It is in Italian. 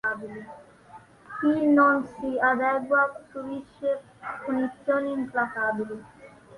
Chi non si adegua subisce punizioni implacabili.